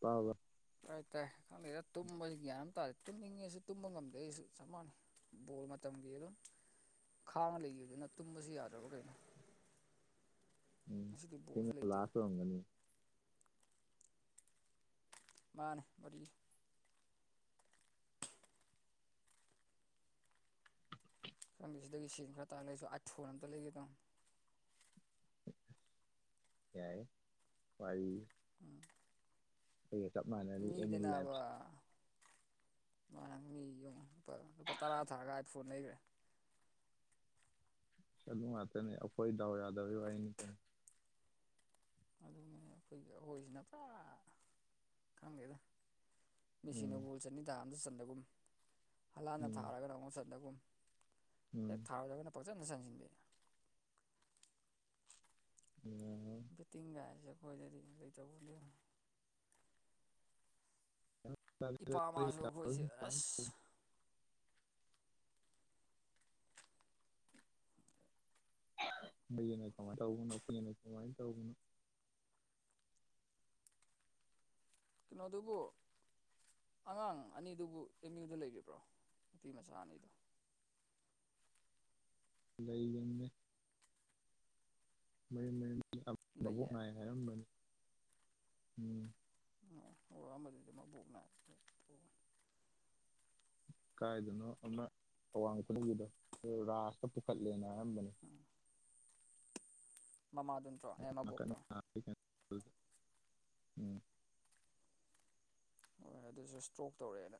ꯇꯥꯕ꯭ꯔꯥ ꯇꯥꯏ ꯇꯥꯏ ꯈꯪꯗꯦꯗ ꯇꯨꯝꯕꯁꯤ ꯒ꯭ꯌꯥꯟ ꯑꯝ ꯇꯥꯗꯦ ꯇꯨꯝꯅꯤꯡꯉꯦꯁꯨ ꯇꯨꯝꯕ ꯉꯝꯗꯦ ꯑꯩꯁꯨ ꯆꯞ ꯃꯥꯟꯅꯩ ꯕꯣꯜ ꯃꯇꯝꯒꯤ ꯑꯗꯨꯝ ꯈꯥꯡꯉ ꯂꯩꯒꯤꯕꯗꯨꯅ ꯇꯨꯝꯕꯁꯤ ꯌꯥꯗ꯭ꯔꯕ ꯀꯩꯅꯣ ꯉꯁꯤꯗꯤ ꯎꯝ ꯕꯣꯜꯁꯨ [unintelligible] ꯂꯩꯇꯦ ꯂꯥꯁ ꯑꯣꯏꯔꯝꯒꯅꯤ ꯃꯥꯅꯦ ꯋꯥꯔꯤ__ ꯈꯪꯗꯦ ꯁꯤꯗꯒꯤ ꯁꯦꯟ ꯈꯔ ꯇꯥꯜꯂ ꯑꯩꯁꯨ ꯑꯥꯏꯐꯣꯟ ꯑꯝꯇ ꯂꯩꯒꯦ ꯇꯧꯅꯦ ꯌꯥꯏꯍꯦ ꯋꯥꯔꯤꯖꯦ ꯑꯩꯒ ꯆꯞ ꯃꯥꯟꯅꯩ ꯃꯤꯒꯤꯗꯅꯥꯕ ꯏꯃꯥꯟꯅꯕ ꯒꯩꯖꯦ ꯌꯦꯡꯉꯣ ꯂꯨꯄꯥ ꯂꯨꯄꯥ ꯇꯔꯥ ꯊꯥꯔꯒ ꯑꯥꯏ ꯐꯣꯟ ꯂꯩꯒ꯭ꯔꯦ ꯑꯗꯨ ꯉꯥꯛꯇꯅꯦ ꯑꯩꯈꯣꯏ ꯗꯥꯎ ꯌꯥꯗꯕꯩ ꯋꯥꯔꯤꯅꯤ ꯀꯩꯅꯣ ꯑꯗꯨꯅꯤ ꯑꯩꯈꯣꯏꯒꯤ ꯑꯍꯣꯏꯖꯤꯅ ꯄꯨꯔꯥ ꯈꯪꯗꯦꯗꯥ ꯃꯦꯁꯤꯅ ꯎꯝ ꯒꯣꯜ ꯆꯟꯅꯤ ꯊꯥ ꯑꯝꯇ ꯆꯟꯗꯒꯨꯝ ꯍꯂꯥꯟꯅ ꯎꯝ ꯊꯥꯔꯒꯅ ꯑꯃꯨꯛ ꯆꯟꯗꯒꯨꯝ ꯍꯦꯛ ꯊꯥꯔꯨꯗ꯭ꯔꯒꯅ ꯄꯪꯆꯟꯗ ꯆꯪꯖꯟꯕꯤ ꯎꯝ ꯕꯦꯠꯇꯤꯡ ꯒꯥꯏꯁꯦ ꯑꯩꯈꯣꯏꯗꯗꯤ ꯂꯩꯇꯕ [unintelligible] ꯏꯄꯥꯃꯥꯁꯨ ꯑꯩꯈꯣꯏꯁꯦ ꯑꯁ ꯅ ꯀꯃꯥꯏ ꯇꯅꯅ ꯀꯃꯉꯥꯏ ꯇꯧꯒꯅꯣ ꯀꯩꯅꯣ ꯑꯗꯨꯕꯨꯣ ꯑꯉꯥꯡ ꯑꯅꯤꯗꯨꯕꯨ ꯑꯦꯝ ꯌꯨꯗ ꯂꯩꯕꯤꯕ꯭ꯔꯣ ꯅꯨꯄꯤ ꯃꯆꯥ ꯑꯅꯤꯗꯨ ꯂꯩꯕꯃꯦ ꯃꯌꯨꯝ ꯃꯌꯨꯝ ꯃꯕꯣꯛ ꯂꯩꯌꯦ ꯅꯥꯏ ꯍꯥꯏꯔꯝꯕꯅꯤ ꯎꯝ ꯑꯣ ꯑꯣꯝꯕꯗꯨꯗꯤ ꯃꯕꯣꯛꯅ ꯀꯥꯏꯗꯅꯣ ꯑꯃ ꯑꯋꯥꯡ ꯈꯨꯗꯤꯡꯒꯤꯗꯣ ꯔꯥꯁꯇ ꯄꯨꯈꯠꯂꯦꯅ ꯍꯥꯏꯔꯝꯕꯅꯦ ꯃꯃꯥ ꯑꯗꯨ ꯊꯥꯉꯥꯑꯣ ꯒꯤ꫰ꯋꯥꯅꯤꯗꯥ ꯍꯣꯏ ꯑꯗꯨꯁꯨ ꯏꯁꯇ꯭ꯔꯣꯛ ꯇꯧꯔꯛꯑꯦꯅ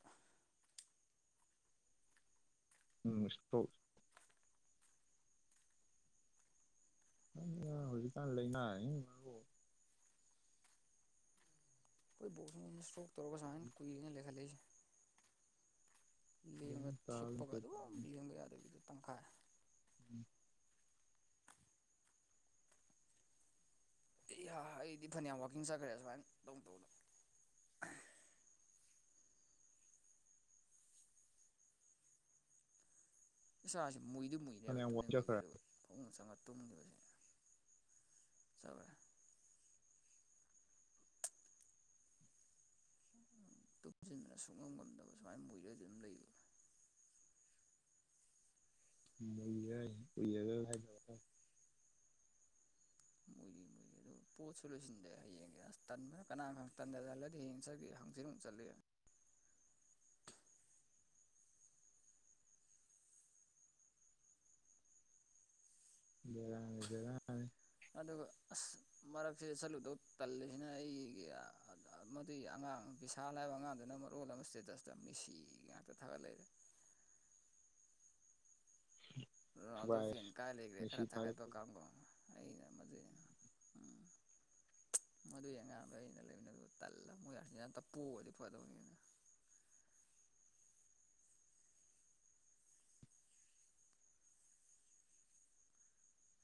ꯎꯝ ꯏꯁꯇꯣ ꯍꯧꯖꯤꯛꯀꯥꯟ ꯂꯩꯅ ꯑꯩꯣꯏ ꯕꯣꯛꯁ ꯑꯣꯏꯅꯅ ꯏꯁꯇꯣꯛ ꯇꯧꯒꯨꯃꯥꯏ ꯀꯨꯏꯅꯦꯈꯠꯂꯛꯏꯦ ꯂꯦꯡꯉ ꯒ꯭ꯌꯥꯟ ꯇꯥꯕ ꯊꯤꯞꯄꯒ ꯅꯠꯇꯦ ꯑꯗꯨꯝ ꯇꯧꯅꯤ ꯂꯦꯡꯕ ꯌꯥꯗꯒꯤꯗꯤ ꯇꯪꯈꯥꯏ ꯎꯝ ꯑꯦ ꯑꯩꯗꯤ ꯐꯅꯌꯥꯝ ꯋꯥꯛꯀꯤꯡ ꯆꯠꯈ꯭ꯔꯦ ꯁꯨꯃꯥꯏꯅ ꯇꯧ ꯇꯧꯗꯣ ꯏꯆꯥꯁꯤ‌ ꯃꯨꯏꯗꯤ ꯃꯨꯏꯅꯦꯕ ꯐꯅꯌꯥꯝ ꯇꯨꯝꯅꯤꯡꯕꯒꯤ ꯋꯥꯖꯈ꯭ꯔꯦ ꯑꯗꯨꯒ ꯐꯃꯨꯡ ꯆꯥꯝꯉꯥ ꯇꯨꯝꯈꯤꯕꯁꯦ ꯆꯧꯔꯦ ꯎ ꯇꯨꯞꯁꯤꯟꯗꯅ ꯁꯨꯡꯉꯝ ꯉꯝꯗꯕ ꯁꯨꯃꯥꯏꯅ ꯃꯣꯏꯗꯣꯏꯗꯤ ꯑꯗꯨꯝ ꯂꯩꯕ ꯌꯥ ꯀꯒ ꯍꯥꯏ ꯃꯣꯏ ꯃꯣꯏ ꯑꯗꯨ ꯄꯣꯠꯁꯨ ꯂꯣꯏꯁꯤꯟꯗꯩꯦ ꯍꯌꯦꯡ ꯑꯁ ꯇꯟꯕꯅ ꯀꯅꯥꯅ ꯇꯟꯗ ꯍꯜꯂꯗꯤ ꯍꯌꯦꯡ ꯆꯠꯈꯤ ꯍꯪꯆꯤ ꯑꯃꯨꯛ ꯆꯠꯂꯤ ꯔꯥꯡꯖꯦꯔꯥꯡ ꯑꯗꯨꯒ ꯑꯁ ꯃꯔꯛꯁꯤꯗ ꯆꯠꯂꯨꯗꯧ ꯇꯜꯂꯤꯁꯤꯅ ꯑꯩꯒꯤ ꯃꯗꯨꯏ ꯑꯉꯥꯡ ꯄꯁꯥꯜ ꯍꯥꯏꯕ ꯑꯉꯥꯡꯗꯨꯅ ꯃꯔꯣꯜ ꯑꯃ ꯏꯁꯇꯦꯇꯁꯇ ꯃꯤꯁꯤ ꯉꯥꯛꯇ ꯊꯥꯒꯠꯂ ꯂꯩꯔꯦ ꯔꯅꯥꯜꯗꯣ ꯐ ꯊꯨꯒꯥꯏꯔꯦ ꯀꯥꯏ ꯂꯩꯈ꯭ꯔꯦ ꯃꯦꯁꯤ ꯈꯔ ꯊꯒꯥꯏ ꯇ ꯊꯥꯒꯠꯄꯗ ꯀꯝꯒꯣ ꯑꯩ ꯃꯅ ꯎꯝ ꯃꯗꯨ ꯌꯦꯡ ꯉꯥꯡꯗ ꯑꯩꯅ ꯂꯩꯕꯅ ꯑꯗꯨ ꯇꯜꯂꯒ ꯃꯣꯏ ꯍꯥꯆꯤꯟ ꯌꯥꯝꯇ ꯄꯨꯣꯛꯑꯗꯤ ꯐꯗꯧꯅꯤꯅ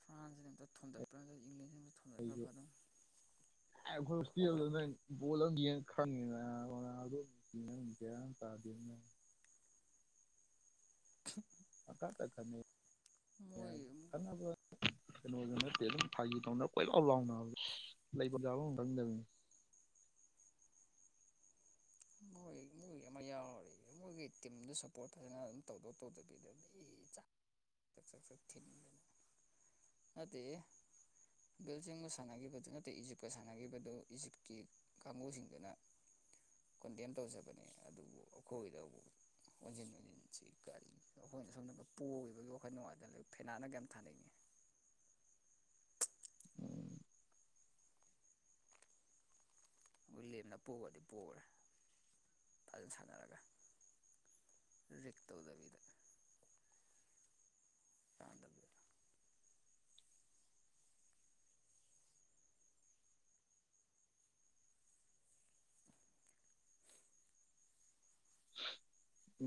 ꯐ꯭ꯔꯥꯟꯁꯁꯤ ꯑꯝꯇ ꯊꯣꯗꯠꯄ꯭ꯔꯒ ꯏꯪꯂꯦꯟꯁꯤ ꯑꯝ ꯑꯩꯈꯒꯤ [unintelligible] ꯈꯁ ꯅꯣꯠꯂꯝ ꯌꯦ ꯈꯪꯉꯦ ꯑꯗꯨꯝ ꯇꯥꯗꯅ [unintelligible] ꯇ ꯈꯅꯩ ꯃꯣꯏ ꯈꯟꯅꯅꯕ ꯀꯩꯅꯣꯗ ꯅꯠꯇꯦ ꯑꯗꯨꯝ ꯊꯥꯒꯤ ꯇꯧꯅ ꯀꯣꯏ ꯂꯥꯎ ꯂꯥꯎꯅꯕ ꯂꯩꯕꯥꯕ ꯈꯪꯗꯕꯅꯤ ꯍꯣꯏꯣꯏ ꯑꯃ ꯌꯥꯎꯔꯔ ꯃꯣꯏꯒꯤ ꯇꯤꯝꯗ ꯁꯞꯄꯣꯔꯠ ꯐꯖꯅ ꯑꯗꯨꯝ ꯇꯧꯗꯣꯛ ꯇꯧꯗ ꯄꯗ ꯊ ꯑ [unintelligible] ꯕꯤꯜꯖꯤꯡꯒ ꯁꯥꯟꯅꯈꯤꯕꯗꯨ ꯅꯠꯇꯦ ꯏꯖꯤꯞꯀ ꯁꯥꯟꯅꯈꯤꯕꯗꯨ ꯏꯖꯤꯞꯀꯤ ꯀꯥꯡꯕꯨꯁꯤꯡꯗꯅ ꯀꯣꯟꯇꯦꯝ ꯇꯧꯖꯕꯅꯦ ꯑꯗꯨꯕꯨ ꯑꯩꯈꯣꯏꯗꯕꯨ ꯑꯣꯟꯁꯤꯟ ꯑꯣꯟꯁꯤꯟꯁꯤ ꯀꯜꯂꯤ ꯑꯩꯈꯣꯏꯅ ꯁꯣꯝꯗ ꯄꯣꯕꯒꯤ ꯋꯥꯈꯣꯏ ꯅꯨꯡꯉꯥꯏꯇꯅ ꯐꯦꯅꯥꯟꯅ ꯀ ꯌꯥꯝ ꯊꯥꯅꯅꯤꯡꯏꯤ ꯑꯩꯏ ꯂꯦꯝꯅ ꯄꯨꯑꯗꯤ ꯄꯨꯈꯔꯦ ꯐꯖꯅ ꯁꯥꯟꯅꯔꯒ ꯔꯤ ꯇꯧꯗꯕꯤꯗ ꯌꯥꯗꯕꯤꯗ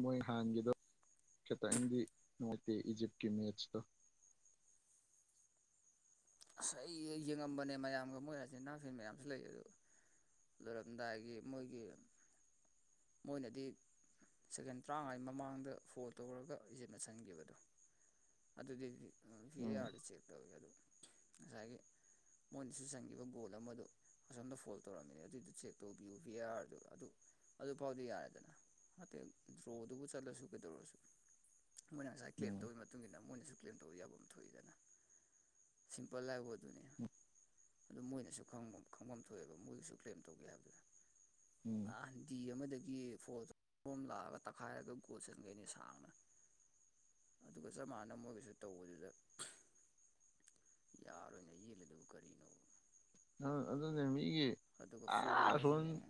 ꯃꯣꯏ ꯍꯥꯟꯅꯒꯤꯗꯣ ꯈꯤꯇꯪꯗꯤ ꯅꯨꯡꯉꯥꯏꯇꯦ ꯏꯖꯤꯞꯀꯤ ꯃꯦꯠꯁꯇꯣ ꯑꯁ ꯑꯩ ꯌꯦꯡꯉꯝꯕꯅꯦ ꯃꯌꯥꯝꯒ ꯃꯣꯏꯔꯁꯦ ꯅꯅꯥꯁꯤꯡꯦꯟ ꯃꯌꯥꯝꯁꯨ ꯂꯩ ꯑꯗꯨꯗꯣ ꯂꯣꯏꯔꯝꯗꯥꯏꯒꯤ ꯃꯣꯏꯒꯤ ꯃꯣꯏꯅꯗꯤ ꯁꯦꯀꯦꯟ ꯇꯔꯥꯉꯥꯏꯒꯤ ꯃꯃꯥꯡꯗ ꯐꯣꯜ ꯇꯧꯔꯒ ꯏꯖꯦꯠꯅꯁꯟꯈꯤꯕꯗꯣ ꯑꯗꯨꯗꯤ ꯐꯤ ꯎꯝ ꯑꯥꯔꯗ ꯆꯦꯛ ꯇꯧꯋꯦ ꯑꯗꯨ ꯉꯁꯥꯏꯒꯤ ꯃꯣꯏꯅꯁꯨ ꯆꯪꯈꯤꯕ ꯒꯣꯜ ꯑꯃꯗꯣ ꯑꯁꯣꯝꯗ ꯐꯣꯜ ꯇꯧꯔꯝꯃꯤꯅꯦ ꯑꯗꯨꯏꯗꯨ ꯆꯦꯛ ꯇꯧꯕꯤꯌꯨ ꯚꯤ ꯑꯥꯔꯗꯨ ꯑꯗꯨ ꯑꯗꯨꯐꯥꯎꯗꯤ ꯌꯥꯔꯦꯗꯅ ꯅꯠꯇꯦ ꯗ꯭ꯔꯣꯗꯨꯕꯨ ꯆꯠꯂꯁꯨ ꯀꯩꯗꯧꯔꯁꯨ ꯃꯣꯏꯅ ꯉꯁꯥꯏ ꯀ꯭ꯂꯦꯝ ꯎꯝ ꯇꯧꯕꯒꯤ ꯃꯇꯨꯡ ꯏꯟꯅ ꯃꯣꯏꯅꯁꯨ ꯀ꯭ꯂꯦꯝ ꯇꯧꯕ ꯌꯥꯐꯝ ꯊꯣꯛꯏꯗꯅ ꯁꯤꯝꯄꯜ ꯂꯥꯐ ꯑꯗꯨꯅꯦ ꯑꯗꯨ ꯃꯣꯏꯅꯁꯨ ꯈꯪꯐꯝ ꯊꯣꯛꯑꯦꯕ ꯃꯣꯏꯒꯤꯁꯨ ꯀ꯭ꯂꯦꯝ ꯇꯧꯒꯦ ꯍꯥꯏꯕꯗ ꯎꯝ ꯑ ꯗꯤ ꯑꯃꯗꯒꯤ ꯐꯣ ꯐꯣꯝ ꯂꯥꯛꯑꯒ ꯇꯛꯈꯥꯏꯔꯒ ꯒꯣꯜ ꯆꯟꯈꯩꯏꯅꯤ ꯁꯥꯡꯅ ꯑꯗꯨꯒ ꯆꯞ ꯃꯥꯟꯅꯅ ꯃꯣꯏꯒꯤꯁꯨ ꯇꯧꯕꯗꯨꯗ ꯌꯥꯔꯣꯏ ꯅ ꯌꯦꯂ ꯑꯗꯨ ꯀꯔꯤꯅꯣ ꯑ ꯑꯗꯨꯅꯦ ꯃꯤꯒꯤ ꯑꯗꯨꯒ ꯑꯥ ꯐꯣꯜꯒ ꯑꯁꯣꯝ ꯍꯥꯏꯌꯦ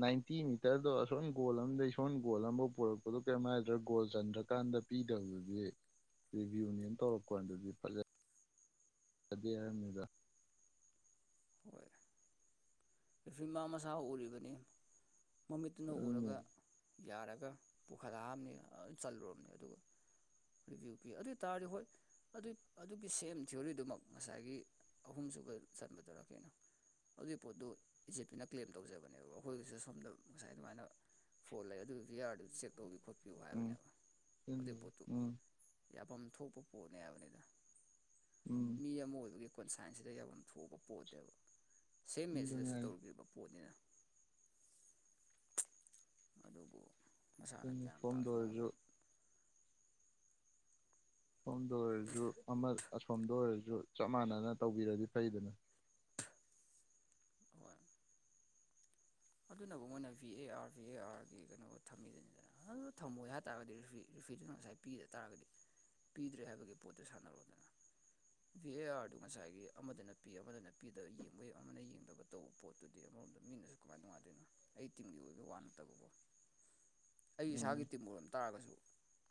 ꯅꯥꯏꯟꯇꯤ ꯃꯤꯇꯔꯗꯣ ꯑꯁꯣꯟꯝ ꯒꯣꯜ ꯑ ꯑꯃꯗꯩ ꯏꯁꯣꯟꯝ ꯒꯣꯜ ꯑꯃꯐꯥꯎ ꯄꯨꯔꯛꯄꯗꯣ ꯀꯔꯤꯝꯅꯗ꯭ꯔꯥ ꯒꯣꯜ ꯆꯟꯗ꯭ꯔꯀꯥꯟꯗ ꯄꯤꯗꯕꯗꯨꯗꯤ ꯔꯤꯚꯤꯌꯨꯅꯤꯌꯟ ꯇꯧꯔꯛ ꯀꯥꯟꯗꯗꯤ ꯐꯖꯩ ꯖꯗꯦ ꯍꯥꯏꯕꯅꯤꯗ ꯍꯣꯏ ꯔꯐꯤ ꯃꯥ ꯃꯁꯥ ꯎꯔꯤꯕꯅꯤ ꯃꯃꯤꯠꯇꯨꯅ ꯑꯗꯨꯅꯦ ꯎꯔꯒ ꯌꯥꯔꯒ ꯄꯨꯈꯠꯂꯛꯑꯕꯅꯤ ꯆꯠꯂꯨꯔꯕꯅꯤ ꯑꯗꯨꯒ ꯔꯤꯚꯤꯌꯨ ꯄꯤꯏ ꯑꯗꯨ ꯇꯥꯔꯗꯤ ꯍꯣꯏ ꯑꯗꯨꯏ ꯑꯗꯨꯒꯤ ꯁꯦꯝ ꯊꯤꯑꯣꯔꯤꯗꯨꯃꯛ ꯉꯁꯥꯏꯒꯤ ꯑꯍꯨꯝꯁꯨꯕꯗ ꯆꯟꯕꯗꯨꯔ ꯀꯩꯅꯣ ꯑꯗꯨꯒꯤ ꯄꯣꯠꯇꯨ ꯏꯖꯦꯠ ꯄꯤꯅ ꯀ꯭ꯂꯦꯝ ꯇꯧꯖꯕꯅꯦꯕ ꯑꯩꯈꯣꯏꯒꯤꯁꯨ ꯁꯣꯝꯗ ꯉꯁꯥꯏ ꯑꯗꯨꯃꯥꯏꯅ ꯐꯣꯟ ꯂꯩ ꯑꯗꯨꯒꯤ ꯚꯤꯌꯥꯥꯔꯗꯨ ꯆꯦꯛ ꯇꯧꯕꯤꯌꯨ ꯈꯣꯠꯄꯤꯌꯨ ꯎꯝ ꯍꯥꯏꯕꯅꯦꯕ ꯑꯗꯨꯒꯤ ꯄꯣꯠꯇꯨ ꯎꯝ ꯌꯥꯐꯝ ꯊꯣꯛꯄ ꯄꯣꯠꯅꯦ ꯍꯥꯏꯕꯅꯤꯗ ꯎꯝ ꯃꯤ ꯑꯃ ꯑꯣꯏꯕꯒꯤ ꯀꯣꯟꯁꯥꯏꯟꯁꯤꯗ ꯌꯥꯝꯐꯝ ꯊꯣꯛꯑꯕ ꯄꯣꯠꯅꯦꯕ ꯑꯗꯨꯅꯦ ꯁꯦꯝꯃꯦꯠꯁꯤꯗꯁꯨ ꯍꯥꯏꯁꯦ ꯄꯔꯤꯕ ꯄꯣꯠꯅꯤꯅ ꯑꯗꯨꯕꯨ ꯃꯁꯥꯅ ꯑꯗꯨꯅꯤ ꯒ꯭ꯌꯥꯟ ꯐꯣꯝꯗ ꯇꯥꯁꯨ ꯑꯣꯏꯔꯁꯨ ꯉꯝꯗ ꯁꯣꯝꯗ ꯑꯣꯏꯔꯁꯨ ꯑꯃ ꯑꯁꯣꯝꯗ ꯑꯣꯏꯔꯁꯨ ꯆꯞ ꯃꯥꯟꯅꯅ ꯇꯧꯕꯤꯔꯗꯤ ꯐꯩꯗꯅ ꯍꯣꯏ ꯑꯗꯨꯅꯕꯨ ꯃꯣꯏꯅ V A R V A ꯑꯥꯔꯒꯤ ꯀꯩꯅꯣ ꯊꯝꯃꯤꯗꯨꯅꯤꯗ ꯑꯗꯨ ꯊꯝꯃꯣꯏ ꯍꯥꯏꯇꯥꯔꯒꯗꯤ ꯔꯤꯐꯤ ꯔꯤꯐꯤꯗꯨꯅ ꯉꯁꯥꯏ ꯄꯤꯗ ꯇꯥꯔꯒꯗꯤ ꯄꯤꯗ꯭ꯔꯦ ꯍꯥꯏꯕꯒꯤ ꯄꯣꯠꯇꯨ ꯁꯥꯟꯅꯔꯣꯗꯅ ꯚꯤ ꯑꯦ ꯑꯥꯔꯗꯨ ꯉꯁꯥꯏꯒꯤ ꯑꯃꯗꯅ ꯄꯤ ꯑꯃꯗꯅ ꯄꯤꯗꯕ ꯌꯦꯡꯕ ꯌꯥ ꯑꯃꯅ ꯌꯦꯡꯗꯕ ꯇꯧꯕ ꯄꯣꯠꯇꯨꯗꯤ ꯑꯃꯔꯣꯝꯗ ꯃꯤꯅꯁꯨ ꯅꯨꯉꯥꯏꯇꯦꯅ ꯑꯩ ꯇꯤꯝꯒꯤ ꯑꯣꯏꯕ ꯋꯥ ꯅꯠꯇꯕ ꯀꫭ ꯑꯩ ꯏꯁꯥꯒꯤ ꯎꯝ ꯇꯤꯝ ꯑꯣꯏꯔꯝ ꯇꯥꯔꯒꯁꯨ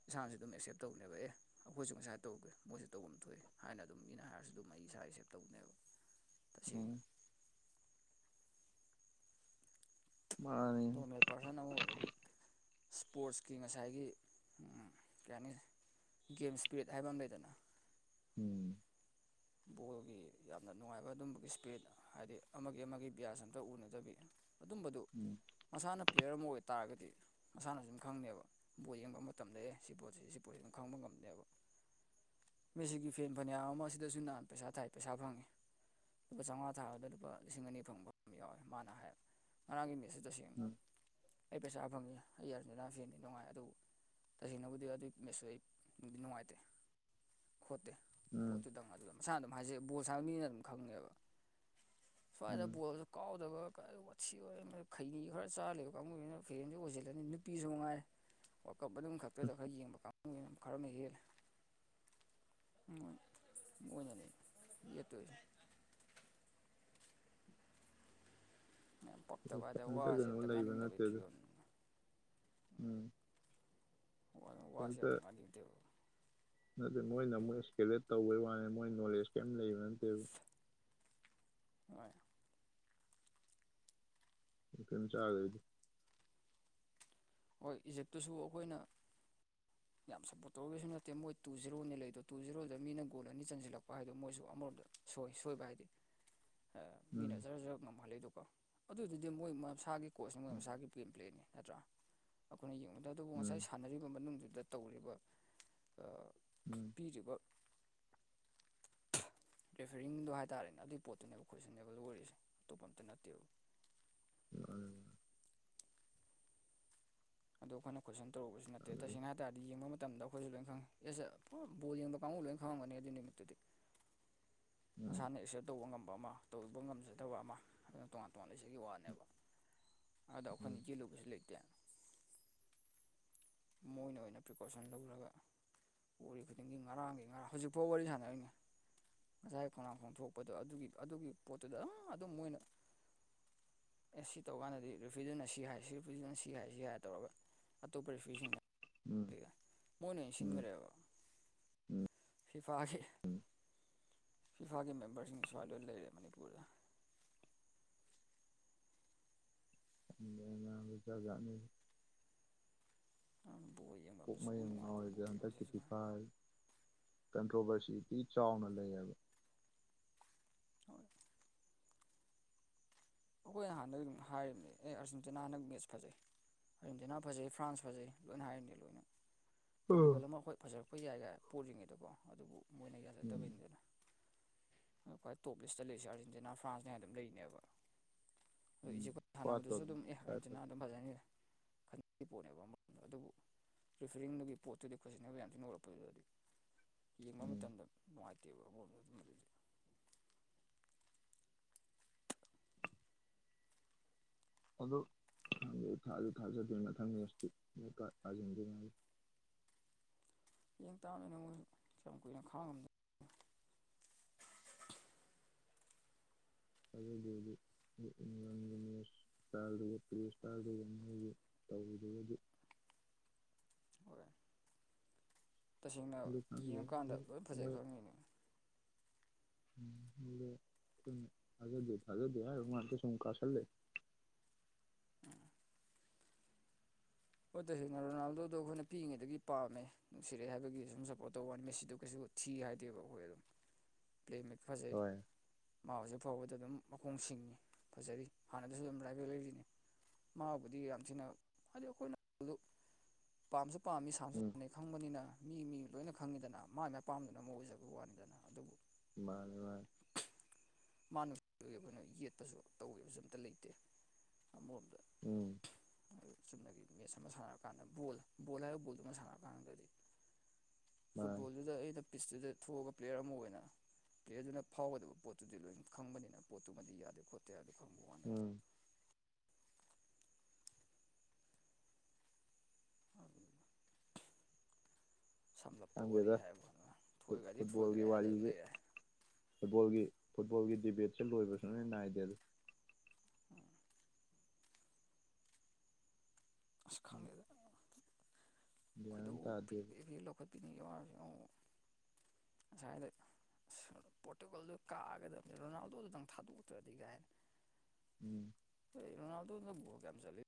ꯏꯁꯥꯅꯁꯨ ꯑꯗꯨꯝ ꯑꯦꯛꯁꯦꯞ ꯇꯧꯅꯦꯕ ꯑꯦ ꯑꯩꯈꯣꯏꯁꯨ ꯉꯁꯥꯏ ꯇꯧꯒꯦ ꯃꯣꯏꯁꯨ ꯇꯧꯐꯝ ꯊꯣꯛꯑꯏ ꯍꯥꯏꯅ ꯑꯗꯨꯝ ꯃꯤꯅ ꯍꯥꯏꯔꯁꯨ ꯑꯗꯨꯝ ꯑꯩ ꯏꯁꯥ ꯁꯦꯞ ꯇꯧꯅꯦꯕ ꯇꯁꯦꯡꯅ ꯎꯝ ꯃꯥꯅꯤ ꯅꯣꯔꯃꯦꯜ ꯄꯥꯔꯁꯟ ꯑꯃ ꯑꯣꯏꯕꯒꯤ ꯏꯁꯄꯣꯔꯠꯁꯀꯤ ꯉꯁꯥꯏꯒꯤ ꯀꯩ ꯍꯥꯏꯅꯤ ꯒꯦꯝ ꯏꯁ꯭ꯄꯤꯔꯤꯠ ꯍꯥꯏꯕ ꯑꯃ ꯂꯩꯗꯅ ꯎꯝ ꯕꯣꯜꯒꯤ ꯌꯥꯝꯅ ꯅꯨꯡꯉꯥꯏꯕ ꯑꯗꯨꯝꯕꯒꯤ ꯏꯁꯄꯤ꯭ꯔꯤꯠ ꯍꯥꯏꯗꯤ ꯑꯃꯒꯤ ꯑꯃꯒꯤ ꯕꯤꯌꯥꯁ ꯑꯝꯇ ꯎꯅꯗꯕꯤ ꯑꯗꯨꯝꯕꯗꯨ ꯎꯝ ꯃꯁꯥꯅ ꯄ꯭ꯂꯦꯌꯔ ꯑꯃ ꯑꯣꯏꯇꯥꯥꯔꯒꯗꯤ ꯃꯁꯥꯅꯁꯨ ꯑꯗꯨꯝ ꯈꯪꯅꯦꯕ ꯕꫭꯜ ꯌꯦꯡꯕ ꯃꯇꯝꯗ ꯑꯦ ꯁꯤ ꯄꯣꯠꯁꯦ ꯁꯤ ꯄꯣꯠꯁꯦ ꯑꯗꯨꯝ ꯈꯪꯕ ꯉꯝꯅꯦꯕ ꯃꯦꯁꯤꯒꯤ ꯐꯦꯟ ꯐꯅꯌꯥꯝ ꯑꯃ ꯑꯁꯤꯗꯁꯨ ꯅꯍꯥꯟ ꯄꯩꯁꯥ ꯊꯥꯏ ꯄꯩꯁꯥ ꯐꯪꯉꯤ ꯂꯨꯄꯥ ꯆꯥꯝꯃꯉꯥ ꯊꯥꯕꯗ ꯂꯨꯄꯥ ꯂꯤꯁꯤꯡ ꯑꯅꯤ ꯐꯪꯕ ꯑꯃ ꯌꯥꯎꯋꯦ ꯃꯥꯅ ꯍꯥꯏꯌꯦ ꯉꯔꯥꯡꯒꯤ ꯃꯤꯠꯁꯤ ꯇꯁꯦꯡ ꯎꯝ ꯑꯩ ꯄꯩꯁꯥ ꯐꯪꯉꯦ ꯑꯩ ꯑꯔꯟꯖꯤꯟꯇꯤꯅꯥ ꯐꯦꯟꯅꯤ ꯅꯨꯡꯉꯥꯏ ꯑꯗꯨꯕꯨ ꯇꯁꯦꯡꯅꯕꯨꯗꯤ ꯑꯗꯨꯒꯤ ꯃꯦꯠꯁꯨ ꯑꯩꯗꯤ ꯅꯨꯡꯉꯥꯏꯇꯦ ꯈꯣꯠꯇꯦ ꯎꯝ ꯑꯗꯨꯨꯗꯪ ꯑꯗꯨꯗ ꯃꯁꯥꯅ ꯑꯗꯨꯝ ꯍꯥꯏꯖꯩ ꯕꯣꯜ ꯁꯥꯕ ꯃꯤꯅ ꯑꯗꯨꯝ ꯈꯪꯉꯦꯕ ꯁ꯭ꯋꯥꯏꯗ ꯎꯝ ꯕꯣꯜ ꯀꯥꯎꯗꯕ ꯋꯥꯠꯁꯤ ꯑꯣꯏ ꯈꯩꯅꯤ ꯈꯔ ꯆꯥꯜꯂꯦꯕ ꯀꯥꯡꯕꯨꯗꯨꯅ ꯐꯤꯔꯦꯟꯁꯨ ꯑꯣꯏꯁꯤꯜꯂꯅꯤ ꯅꯨꯄꯤꯁꯨ ꯅꯨꯡꯉꯥꯏ [inaudible] ꯋꯥꯔꯜꯀꯞ ꯑꯗꯨꯝ ꯈꯛꯇꯗ ꯈꯔ ꯌꯦꯡꯕ ꯀꯥꯡꯕꯨꯒꯤ ꯈꯔ ꯑꯃ ꯍꯦꯜꯂꯦ ꯃꯅꯅꯤ ꯌꯦ ꯇꯣꯏ ꯃ ꯄꯛꯇꯕ ꯍꯥꯏꯗꯔ ꯀꯩꯝꯇ ꯋꯥꯁꯦ ꯀꯩꯅꯣ ꯑꯝꯇ ꯂꯩꯕ ꯉꯥꯡꯅꯤꯡꯗꯕꯒꯤ ꯅꯠꯇꯦꯗ ꯐꯤꯕꯣꯜ ꯎꯝ ꯎꯝ ꯋꯥ ꯋꯥꯁ ꯀꯩꯝꯇ ꯌꯥꯝꯨꯛ ꯉꯥꯅꯤꯡꯗꯦꯕ ꯅꯠꯇꯦ ꯃꯣꯏꯅ ꯑꯃꯨꯛ ꯏꯁꯀꯦꯂꯦꯠ ꯇꯧꯕꯩ ꯋꯥꯅꯤ ꯃꯣꯏ ꯅꯣꯂꯦꯖ ꯀꯩꯝ ꯂꯩꯕ ꯅꯠꯇꯦ ꯑꯗꯨ [unintelligible] ꯇꯤꯟ ꯆꯥꯒꯗꯤ ꯍꯣꯏ ꯏꯖꯤꯞꯇꯨꯁꯨ ꯑꯩꯈꯣꯏꯅ ꯌꯥꯝ ꯁꯞꯄꯣꯔꯠ ꯇꯧꯔꯒꯁꯨ ꯅꯠꯇꯦ ꯃꯣꯏ ꯇꯨ ꯖꯤꯔꯣꯅꯤ ꯂꯩꯗꯣ ꯇꯨ ꯖꯤꯔꯣꯗ ꯃꯤꯅ ꯣꯜ ꯑꯅꯤ ꯆꯟꯁꯤꯜꯂꯛꯄ ꯍꯥꯏꯗꯣ ꯃꯣꯏꯁꯨ ꯑꯃꯔꯣꯝꯗ ꯁꯣꯏ ꯁꯣꯏꯕ ꯍꯥꯏꯗꯤ ꯎꯝ ꯃꯤꯅꯖꯔ ꯖ ꯉꯝꯍꯜꯂꯤꯗꯨꯀꯣ ꯑꯗꯨꯗꯨꯗꯤ ꯃꯣꯏ ꯃꯁꯥꯒꯤ ꯀꯣꯆ ꯎꯝ ꯃꯁꯥꯒꯤ ꯦꯝ ꯄ꯭ꯂꯦꯔꯅꯤ ꯅꯠꯇ꯭ꯔꯥ ꯑꯩꯈꯣꯏꯅ ꯌꯦꯡꯕꯗ ꯑꯗꯨꯕꯨ ꯉꯁꯥꯏ ꯎꯝ ꯁꯥꯟꯅꯔꯤꯕ ꯃꯅꯨꯡꯗꯨꯗ ꯇꯧꯔꯤꯕ ꯎꯝ ꯊꯤꯕ ꯄꯦꯐꯔꯤꯡꯗꯣ ꯍꯥꯏꯇꯥꯔꯦꯅꯦ ꯑꯗꯨꯒꯤ ꯄꯣꯠꯇꯨꯅꯦꯕ ꯈꯣꯏꯁꯨꯟꯅꯕ ꯂꯣꯏꯔꯤꯁꯦ ꯑꯇꯣꯞꯄ ꯑꯃꯇ ꯅꯠꯇꯦꯕ [unintelligible] ꯑꯗꯨꯗ ꯑꯩꯈꯣꯏꯅ ꯀꯣꯏꯁꯟ ꯇꯧꯔꯕꯁꯨ ꯅꯠꯇꯦꯁꯦꯡꯅ ꯍꯥꯏ ꯇꯔꯗꯤ ꯌꯦꯡꯕ ꯃꯇꯝꯗ ꯑꯩꯈꯣꯏꯁꯨ ꯂꯣꯏ ꯈꯪꯉꯤ ꯑꯦꯁ ꯕꯣꯜ ꯌꯦꯡꯕ ꯀꯥꯡꯕꯨ ꯂꯣꯏꯅ ꯈꯪꯉꯝꯒꯅꯤ ꯑꯗꯨꯒꯤ ꯅꯨꯃꯤꯠꯇꯨꯗꯤ ꯅꯁꯥꯅ ꯑꯦꯛꯁꯦꯞ ꯇꯧꯕ ꯉꯝꯕ ꯑꯃ ꯇꯧꯕ ꯉꯝꯖꯗꯕ ꯑꯃ ꯑꯗꯨꯅ ꯇꯣꯉꯥꯟ ꯇꯣꯉꯥꯟꯕ ꯏꯁꯩꯒꯤ ꯋꯥꯅꯦꯕ ꯑꯗꯣ ꯎꯝ ꯑꯩꯈꯣꯏꯅ ꯆꯦꯜꯜꯂꯨꯕꯁꯨ ꯂꯩꯇꯦ ꯃꯣꯏꯅ ꯑꯣꯏꯅ ꯄ꯭ꯔꯤꯀꯣꯁꯟ ꯂꯧꯔꯒ ꯋꯥꯔꯤꯔꯤ ꯈꯨꯗꯤꯡꯒꯤ ꯉꯔꯥꯡꯒꯤ ꯉꯔꯥꯡ ꯍꯧꯖꯤꯛꯐꯥꯎ ꯋꯥꯔꯤ ꯁꯥꯟꯅꯔꯤꯅꯦ ꯉꯁꯥꯏ ꯈꯣꯡꯅꯥꯡ ꯐꯣꯡꯝ ꯊꯣꯛꯣꯛꯄꯗꯣ ꯑꯗꯨꯒꯤ ꯑꯗꯨꯒꯤ ꯄꯣꯠꯇꯨꯗ ꯑꯗꯨꯝ ꯑꯗꯨꯝ ꯃꯣꯏꯅ ꯑꯦ ꯁꯤ ꯇꯧꯀꯥꯟꯗꯗꯤ ꯔꯤꯐ꯭ꯔꯤꯖꯟ ꯁꯤ ꯍꯥꯏ ꯁꯤ ꯔꯤꯐ꯭ꯔꯤꯖꯟꯅ ꯁꯤ ꯍꯥꯏꯁꯤ ꯍꯥꯏꯔ ꯇꯧꯔꯒ ꯑꯇꯣꯞꯄ ꯅꯨꯄꯤꯁꯤꯡꯅ ꯑꯗꯨꯒ ꯃꯣꯏꯅ ꯌꯦꯡ ꯎꯝ ꯎꯝ ꯁꯤꯟꯈ꯭ꯔꯦꯕ ꯐꯤꯐꯥꯒꯤ ꯐꯤꯐꯥꯒꯤ ꯃꯦꯝꯕꯔꯁꯤꯡꯁꯤ ꯁꯨꯃꯏ ꯂꯣꯏꯅ ꯂꯩꯔꯦ ꯃꯅꯤꯄꯨꯔꯗ ꯃꯌꯥꯝꯕꯆꯥꯥꯛꯖꯥꯠꯅꯤ ꯕꯣꯜ ꯌꯦꯡꯐꯝ ꯀꯣꯛ ꯃꯌꯥ ꯁꯨꯡꯅꯨꯡ ꯅꯨꯡꯉꯥꯏꯇꯦ ꯉꯥꯎꯔꯤꯁꯦ ꯕꯣꯜ ꯌꯦꯡꯕꯁꯦ ꯍꯟꯗꯛꯀꯤꯤꯗꯤꯤ ꯍꯧꯖꯤꯛꯀꯥꯟ ꯐꯥꯏ ꯀꯟꯇ꯭ꯔꯣꯚꯔꯁꯤꯇꯤ ꯆꯥꯎꯅ ꯂꯩꯌꯦꯕ ꯍꯣꯏ ꯑꯩꯈꯣꯏ ꯍꯥꯟꯅꯗꯒꯤ ꯑꯗꯨꯝ ꯍꯥꯏꯔꯤꯕꯅꯦ ꯑꯦ ꯑꯥꯔꯖꯦꯟꯇꯤꯅꯥ ꯍꯟꯗꯛ ꯃꯦꯠꯆ ꯐꯖꯩ ꯏꯟꯗꯤꯅꯥ ꯐꯖꯩ ꯐ꯭ꯔꯥꯟꯁ ꯐꯖꯩ ꯂꯣꯏꯅ ꯍꯥꯏꯔꯅꯤ ꯂꯣꯏꯅ ꯄꯣꯔꯇꯨꯒꯜ ꯎꯝ ꯑꯃ ꯑꯩꯈꯣꯏ ꯐꯖꯔꯛꯄ ꯌꯥꯏꯒ ꯄꯨꯔꯤꯉꯩꯗꯀꯣ ꯑꯗꯨꯕꯨ ꯃꯣꯏꯅ ꯎꯝ ꯌꯥꯖꯛꯇꯕꯩꯅꯤꯗꯅ ꯈ꯭ꯋꯥꯏ ꯇꯣꯞ ꯂꯤꯁꯇ ꯂꯩꯔꯤ ꯑꯥꯔꯖꯦꯟꯇꯤꯅꯥ ꯐ꯭ꯔꯥꯟꯁꯅꯦ ꯍꯥꯏꯅ ꯑꯗꯨꯝ ꯂꯩꯅꯦꯕ ꯑꯗꯨ ꯏꯆꯦꯀ ꯄꯥꯠꯇꯣ ꯁꯥꯟꯅꯕꯗꯨꯁꯨ ꯑꯗꯨꯝ ꯑꯦ ꯃꯁꯥꯏ ꯀ ꯆꯅꯥ ꯐꯖꯩ ꯑꯗꯨꯝ ꯐꯖꯅꯤꯅ ꯄꯣꯠꯅꯦꯕ ꯑꯃꯝ ꯑꯗꯨꯕꯨ ꯄ꯭ꯔꯤꯐꯔꯤꯡꯗꯨꯒꯤ ꯄꯣꯠꯇꯨꯗꯤ ꯈꯖꯤꯟꯅꯕ ꯌꯥꯝ ꯊꯤꯅ ꯎꯔꯛꯄꯗꯨꯗꯤ ꯌꯦꯡꯕ ꯎꯝ ꯃꯇꯝꯗ ꯅꯨꯡꯉꯥꯏꯇꯦꯕ ꯑꯣ ꯑꯗꯨ ꯑꯗꯨꯗꯤ ꯑꯗꯣ ꯍ ꯊꯥꯖ ꯊꯥꯖꯗꯣꯏꯅ ꯊꯝꯃꯤꯔꯁꯤ ꯇꯥꯖꯟꯗ ꯌꯦ ꯇꯥꯅꯣꯏ ꯁ ꯀꯨꯏꯅ ꯈꯥꯡꯉꯝꯗ ꯑꯗꯨꯗꯤꯗꯤꯒꯤꯅꯤꯁ ꯏꯁꯇꯥꯜꯗꯨꯒ ꯄꯨꯔꯤꯁ ꯏꯁꯇꯥꯜꯗꯨꯒ ꯃꯣꯏꯒꯤ ꯇꯧꯗꯒꯗꯤ ꯍꯔ ꯇꯁꯦꯡꯅ ꯑꯗꯨ ꯈꯪꯗꯦ ꯌꯦꯡꯉꯀꯥꯟꯗ ꯑꯗꯨꯝ ꯂꯣꯏ ꯃꯣꯏ ꯐꯖꯩ ꯈꯪꯉꯅꯤ ꯎꯝꯖ ꯊꯖꯗꯤ ꯃꯥꯔ ꯁꯨꯝꯀꯥꯁꯔ ꯂꯩꯦ ꯍꯣꯠꯇ ꯍꯦꯡꯅꯔꯣꯅꯥꯝꯗꯣꯗꯣ ꯑꯩꯈꯣꯏꯅ ꯄꯤꯛꯉꯩꯗꯒꯤ ꯄꯥꯝꯃꯦ ꯅꯨꯡꯁꯤꯔꯛꯑꯦ ꯍꯥꯏꯕꯒꯤ ꯁꯨꯝ ꯁꯞꯄꯣꯔꯠ ꯇꯧꯕꯅꯤ ꯃꯦꯁꯤꯗ ꯀꯩꯁꯨ ꯊꯤ ꯍꯥꯏꯗꯦꯕ ꯑꯩꯈꯣꯏ ꯑꯗꯨꯝ ꯀꯃꯦ ꯈꯖꯩ ꯍꯣꯏ ꯃꯥꯁ ꯐꯥꯎꯕꯗ ꯑꯗꯨꯝ ꯃꯈꯣꯡ ꯁꯤꯡꯉꯤ ꯐꯖꯔꯤ ꯍꯥꯟꯅꯗꯁꯨ ꯑꯗꯨꯝ ꯔꯥꯏꯕꯦꯜ ꯂꯩꯔꯤꯅꯤ ꯃꯥꯕꯨꯗꯤ ꯌꯥꯝ ꯊꯤꯅ ꯍꯥꯏꯗꯤ ꯑꯩꯈꯣꯏꯅ ꯄꯥꯝꯁꯨ ꯄꯥꯝꯃꯤ ꯁꯅꯁꯨ ꯎꯝ ꯁꯅꯩ ꯈꯪꯕꯅꯤꯅ ꯃꯤ ꯃꯤ ꯂꯣꯏꯅ ꯈꯪꯉꯤꯗꯅ ꯃꯥꯏ ꯃꯥꯏ ꯑꯄꯥꯝꯗꯨꯅ ꯑꯃ ꯑꯣꯏꯖꯕꯒꯤ ꯋꯥꯅꯤꯗꯅ ꯑꯗꯨꯕꯨ ꯃꯥꯅꯤ ꯃꯥꯅꯤ ꯃꯥ ꯁꯤ ꯑꯩꯈꯣꯏꯅ ꯌꯦꯠꯄꯁꯨ ꯇꯧꯕꯁꯨ ꯑꯝꯇ ꯂꯩꯇꯦ ꯑꯃꯔꯣꯝꯗ ꯎꯝ ꯆꯨꯝꯅꯒꯤ ꯃꯦꯠꯁ ꯑꯃ ꯁꯥꯟꯅꯔꯀꯥꯟꯗ ꯕꯣꯜ ꯕꯣꯜ ꯍꯥꯏꯔꯤꯕ ꯕꯣꯜꯗꯨ ꯑꯃ ꯁꯥꯟꯅꯔꯀꯥꯟꯗꯗꯤ ꯃꯥꯅꯦ ꯐꯨꯠꯕꯣꯜꯗꯨꯗ ꯑꯩꯅ ꯄꯤꯁꯇꯨꯗ ꯊꯣꯛꯑꯒ ꯄ꯭ꯂꯦꯌꯔ ꯑꯃ ꯑꯣꯏꯅ ꯄ꯭ꯂꯦꯌꯔꯗꯨꯅ ꯐꯥꯎꯒꯗꯕ ꯄꯣꯠꯇ ꯇꯨꯗꯤ ꯂꯣꯏꯅ ꯈꯪꯕꯅꯤꯅ ꯄꯣꯠꯇꯨꯃꯗꯤ ꯌꯥꯗꯦ ꯈꯣꯠꯇꯦꯗ ꯈꯪꯕ ꯋꯥꯅꯤ ꯎꯝ ꯁꯝꯂꯞꯄ ꯋꯥꯔꯤ ꯈꯪꯗꯦꯗ ꯍꯥꯏꯕ ꯑꯗꯨ ꯊꯣꯏꯈ꯭ꯔꯗꯤ ꯐꯨꯠꯕꯣꯜꯒꯤ ꯊꯣꯏꯈ꯭ꯔꯦ ꯍꯥꯏꯗꯅ ꯑꯗꯨꯝ ꯋꯥꯔꯤꯁꯦ ꯂꯩꯔꯦ ꯐꯨꯠꯕꯣꯜꯒꯤ ꯐꯨꯠꯕꯣꯜꯒꯤ ꯗꯤꯕꯦꯠꯁꯦ ꯂꯣꯏꯕꯁꯨ ꯂꯣꯏ ꯅꯥꯏꯗꯦ ꯑꯁ ꯈꯪꯗꯦꯗ ꯒ꯭ꯌꯥꯟ ꯑꯝ ꯇꯥꯗꯦ ꯍꯦꯛ ꯂꯧꯈꯠꯄꯤꯅꯤꯡꯉꯦ ꯋꯥꯔꯁꯨ ꯑꯃꯨꯛ ꯉꯁꯥꯏꯗ ꯄꯣꯔꯇꯨꯒꯜꯗꯣ ꯀꯥꯒꯗꯕꯅꯤ ꯔꯣꯅꯥꯜꯗꯣꯗꯨꯗꯪ ꯊꯥꯗꯣꯛꯇ꯭ꯔꯗꯤ ꯀꯥꯏꯅ ꯎꯝ ꯔꯣꯅꯥꯜꯗꯣꯗꯨ ꯐ꯭ꯂꯣꯞ ꯌꯥꯝ ꯆꯠꯂꯤ